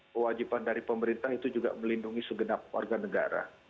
kewajiban dari pemerintah itu juga melindungi segenap warga negara